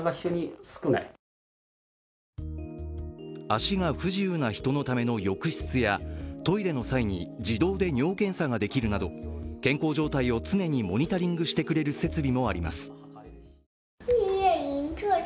足が不自由な人のための浴室やトイレの際に自動で尿検査ができるなど健康状態を常にモニタリングしてくれる設備もあります。